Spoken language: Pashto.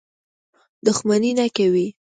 دښمني نه کوي.